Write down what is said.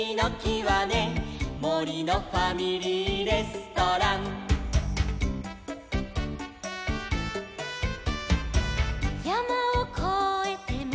「もりのファミリーレストラン」「やまをこえてもりのおく」